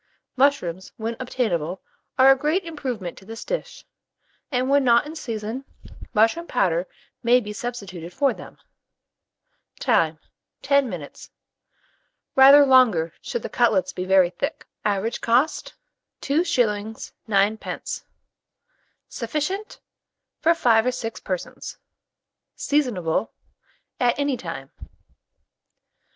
Mushrooms, when obtainable, are a great improvement to this dish, and when not in season, mushroom powder may be substituted for them. Time. 10 minutes; rather longer, should the cutlets be very thick. Average cost, 2s. 9d. Sufficient for 5 or 6 persons. Seasonable at any time.